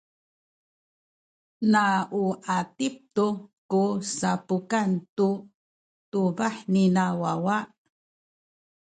na u atip tu ku sapukan tu tubah nina wawa.